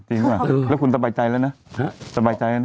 จริงไหมแล้วคุณตบายใจแล้วนะ